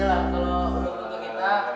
gila kalau udah untuk kita